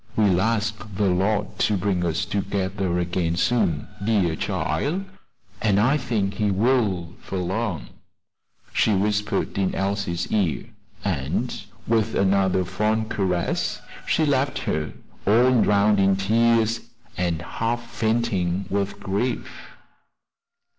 "We'll ask de Lord to bring us together again soon, dear chile, an' I think he will 'fore long," she whispered in Elsie's ear; and with another fond caress she left her all drowned in tears, and half fainting with grief.